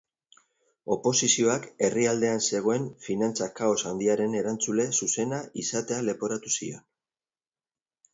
Oposizioak herrialdean zegoen finantza-kaos handiaren erantzule zuzena izatea leporatu zion.